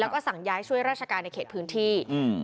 แล้วก็ย้ำว่าจะเดินหน้าเรียกร้องความยุติธรรมให้ถึงที่สุด